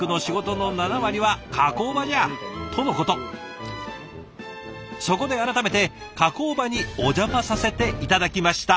そこで改めて加工場にお邪魔させて頂きました。